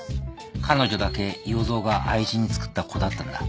彼女だけ要造が愛人につくった子だったんだ。